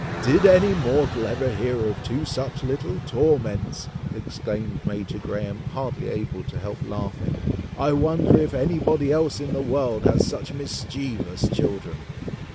"Did any mortal ever hear of two such little torments!" exclaimed Major Graham, hardly able to help laughing. "I wonder if anybody else in the world has such mischievous children!"